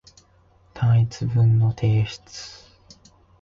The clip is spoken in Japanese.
単一文の提出